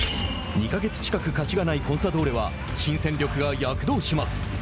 ２か月近く勝ちがないコンサドーレは新戦力が躍動します。